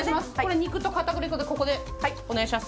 肉と片栗粉でここでお願いします